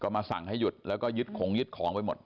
มาสั่งให้หยุดแล้วก็ยึดของยึดของไปหมด